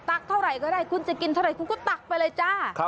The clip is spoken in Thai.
เท่าไหร่ก็ได้คุณจะกินเท่าไหร่คุณก็ตักไปเลยจ้า